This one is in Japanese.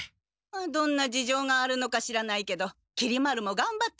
どんな事情があるのか知らないけどきり丸もがんばってるのね。